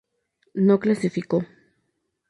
No clasificó.